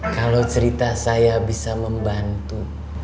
kalau cerita saya bisa membantu